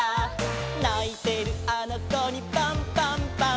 「ないてるあのこにパンパンパン！！」